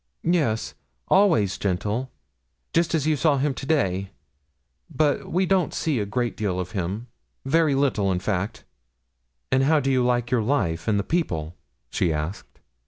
'Yes, always gentle, just as you saw him to day; but we don't see a great deal of him very little, in fact.' 'And how do you like your life and the people?' she asked.